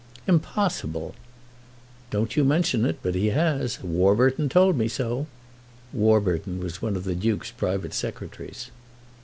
"Impossible!" "Don't you mention it, but he has. Warburton has told me so." Warburton was one of the Duke's private secretaries.